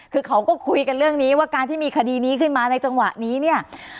คือเขาก็คุยกันเรื่องนี้ว่าการที่มีคดีนี้ขึ้นมาในจังหวะนี้เนี่ย